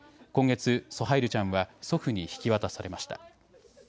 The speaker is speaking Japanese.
今月、ソハイルちゃんは祖父に引き渡されました。